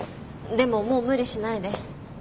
でももう無理しないで。